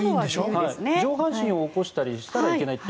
上半身を起こしたらいけないという。